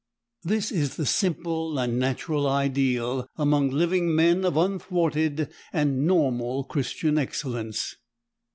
This is the simple and natural ideal among living men of unthwarted and normal Christian excellence.